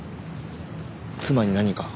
妻に何か？